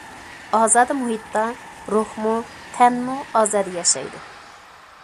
ئازادە مۇھىتتا روھمۇ، تەنمۇ ئازادە ياشايدۇ.